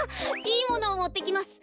いいものをもってきます。